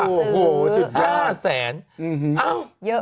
แล้วอย่าซื้อ